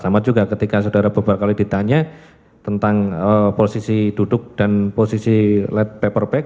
sama juga ketika saudara beberapa kali ditanya tentang posisi duduk dan posisi paper bag